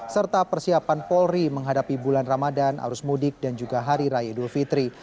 serta persiapan polri menghadapi bulan ramadan arus mudik dan juga hari raya idul fitri